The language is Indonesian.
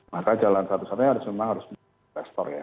maka jalan satu satunya harus memang harus investor ya